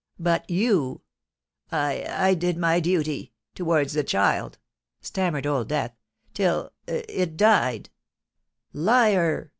But you——" "I—I did my duty—towards the child," stammered Old Death, "till—it died——" "Liar!"